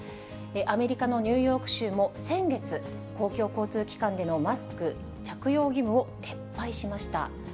アメリカのニューヨーク州も先月、公共交通機関でのマスク着用義務を撤廃しました。